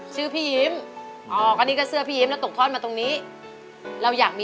ชื่อพี่ยิ้ม